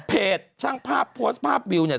ช่างภาพโพสต์ภาพวิวเนี่ย